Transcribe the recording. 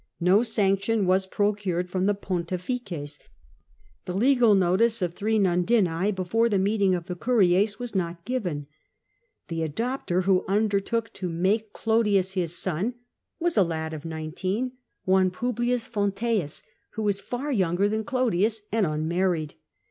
No sanction was procured from the Bontifim, the legal notice of three nundinae before the meeting of the Curies was not given. The adopter who undertook to make 312 CJSSAR Clodius his son was a lad of nineteen, one P. Foiiteius, who was far younger than Clodius, and unmarried.